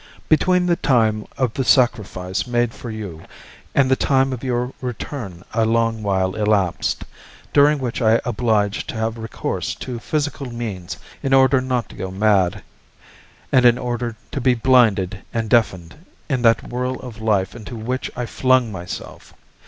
Between the time of the sacrifice made for you and the time of your return a long while elapsed, during which I was obliged to have recourse to physical means in order not to go mad, and in order to be blinded and deafened in the whirl of life into which I flung myself.